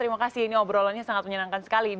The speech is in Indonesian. terima kasih ini obrolannya sangat menyenangkan sekali